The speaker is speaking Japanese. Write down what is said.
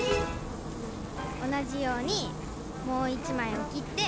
おなじようにもういちまいをきって。